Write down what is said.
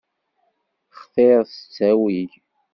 Xtiṛ s ttawil.